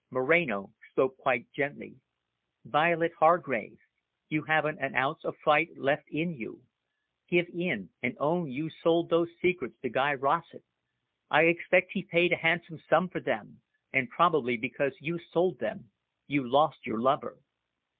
Moreno spoke quite gently. "Violet Hargrave, you haven't an ounce of fight left in you. Give in and own you sold those secrets to Guy Rossett. I expect he paid a handsome sum for them and probably because you sold them, you lost your lover."